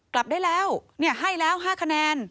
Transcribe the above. กลับได้แล้วให้แล้ว๕คะแนน